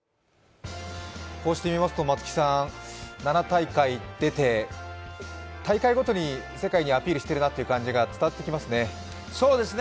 こうして見ますと７大会出て、大会ごとに世界にアピールしている感じが伝わってきますね。